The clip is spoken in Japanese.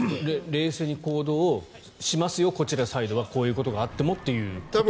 冷静に行動しますよこちらのサイドはこういうことがあってもということも主張したい。